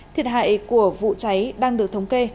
thiệt hại của vụ cháy đang được thống kê